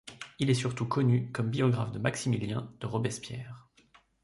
Il est surtout connu comme biographe de Maximilien de Robespierre.